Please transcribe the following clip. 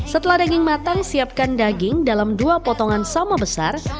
setelah daging matang siapkan daging dalam dua potongan sama besar